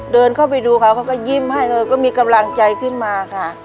เดินเข้าไปดูเขาเขาก็ยิ้มให้ก็มีกำลังใจขึ้นมาค่ะ